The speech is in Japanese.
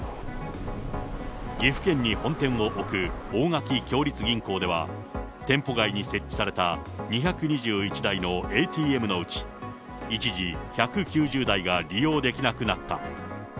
岐阜県に本店を置く大垣共立銀行では、店舗外に設置された２２１台のＡＴＭのうち一時、１９０台が利用できなくなった。